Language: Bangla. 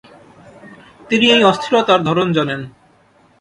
তিনি এই অস্থিরতার ধরন জানেন।